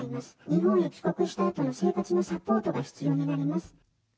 日本に帰国したあとの生活のサポートが必要になります。